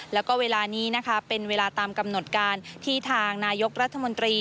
แล้วก็เวลานี้นะคะเป็นเวลาตามกำหนดการที่ทางนายกรัฐมนตรี